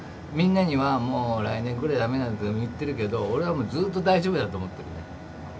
みんなにはもう来年くらいにはダメだとか言ってるけど俺はもうずっと大丈夫だと思ってるね。